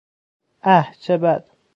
اه چه بد!